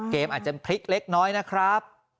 อาจจะพลิกเล็กน้อยนะครับ